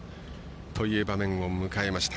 そういう場面を迎えました。